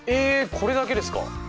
これだけですか。